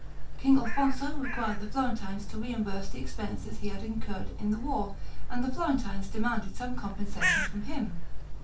King Alfonso required the Florentines to reimburse the expenses he had incurred in the war, and the Florentines demanded some compensation from him.